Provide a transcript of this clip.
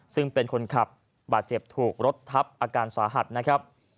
ซึ่งเป็นคนขับบาดเจ็บถูกรถทับอาการสาหัสนะครับ